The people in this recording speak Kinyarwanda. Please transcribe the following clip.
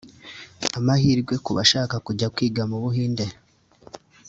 Amahirwe ku bashaka kujya kwiga mu Buhinde